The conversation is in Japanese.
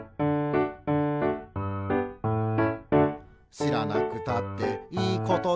「しらなくたっていいことだけど」